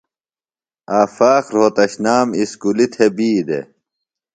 آفاق رھوتشنام اُسکُلیۡ تھےۡ بی دےۡ۔